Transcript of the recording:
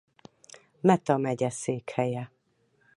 Meta megye székhelye.